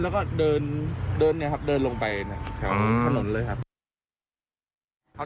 แล้วก็เดินลงไปถึงถนนเลยครับ